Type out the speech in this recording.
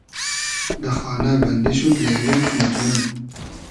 دۂ خانۂ بئندی شود لݷلی کی مئجنون